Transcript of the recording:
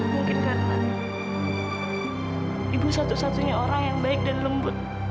mungkin karena ibu satu satunya orang yang baik dan lembut